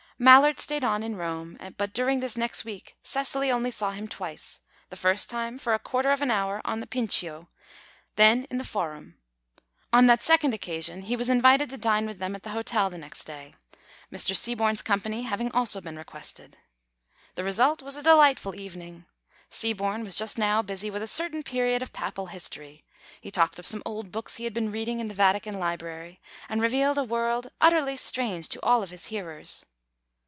Mallard stayed on in Rome, but during this next week Cecily only saw him twice the first time, for a quarter of an hour on the Pincio; then in the Forum. On that second occasion he was invited to dine with them at the hotel the next day, Mr. Seaborne's company having also been requested. The result was a delightful evening. Seaborne was just now busy with a certain period of Papal history; he talked of some old books he had been reading in the Vatican library, and revealed a world utterly strange to all his hearers.